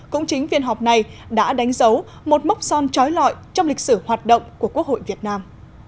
cũng chính viên họp này đã đánh dấu một mốc son trói lọi trong lịch sử hoạt động của quốc hội việt nam